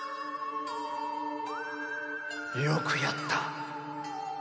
よくやった！